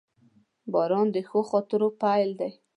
• باران د ښو خاطرو پیل دی.